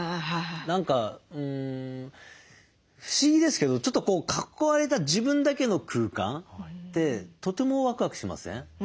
何か不思議ですけどちょっとこう囲われた自分だけの空間ってとてもワクワクしません？